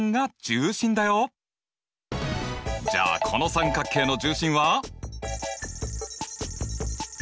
じゃあこの三角形の重心は？